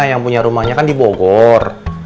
yang punya rumahnya kan di bogor